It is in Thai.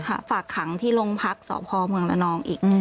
ฝากขังที่โรงพักษ์สพเมืองละนองอีก